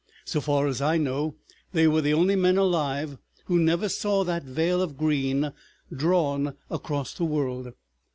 So far as I know, they were the only men alive who never saw that veil of green drawn across the world.